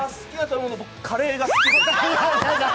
カレーが好きです。